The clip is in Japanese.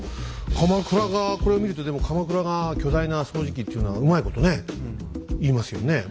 鎌倉がこれを見るとでも鎌倉が巨大な掃除機っていうのはうまいことね言いますよね。